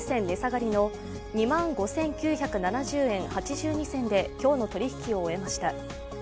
値下がりの２万５９７０円８２銭で今日の取引を終えました。